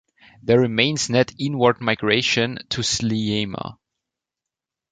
There remains net inward migration to Sliema.